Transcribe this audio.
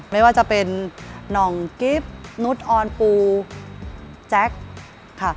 ไม่ว่าจะเป็นน้องกิฟต์นุ๊ดออนปูแจ๊ก